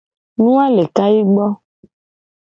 Nu a le kayi gbo.